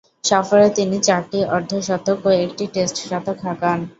সফরে তিনি চারটি অর্ধ-শতক ও একটি টেস্ট শতক হাঁকান।